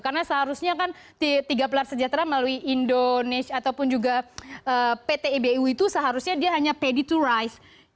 karena seharusnya kan tiga pilar sejahtera melalui indonesia ataupun juga pt ibu itu seharusnya dia hanya pede to rise